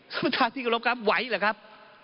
ท่านประธานที่กรบครับไหวเหรอครับ